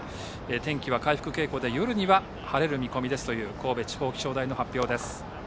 天気は回復傾向で夜には晴れる見込みですという神戸地方気象台の発表です。